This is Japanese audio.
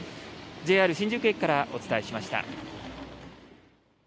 ＪＲ新宿駅からお伝えしました。